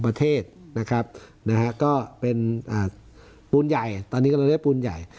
ประเทศนะครับนะฮะก็เป็นอ่าปูนใหญ่ตอนนี้ก็เรียกว่าปูนใหญ่